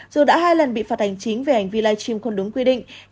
dù đã hai lần bị phạt hành chính về hành vi live stream không đúng quy định